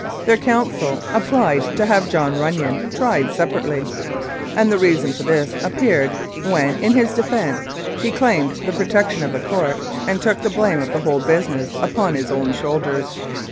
Their counsel applied to have John Runnion tried separately, and the reason for this appeared when, in his defence, he claimed the protection of the Court, and took the blame of the whole business upon his own shoulders.